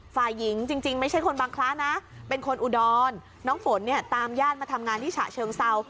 ฝ่ายหญิงจริงไม่ใช่คนบางคล้านะเป็นคนอุดรน้องฝนเนี่ยตามญาติมาทำงานที่ฉะเชิงเศร้า